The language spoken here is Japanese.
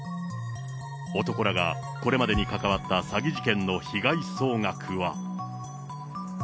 男らがこれまでに関わった詐欺事件の被害総額は。